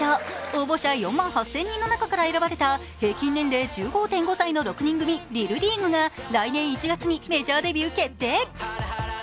応募者４万８０００人の中から選ばれた平均年齢１５．５歳の６人組ＬＩＬＬＥＡＧＵＥが来年１月にメジャーデビュー決定。